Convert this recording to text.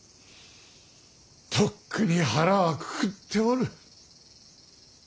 とっくに腹はくくっておる。